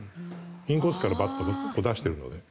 インコースからバットを出してるので。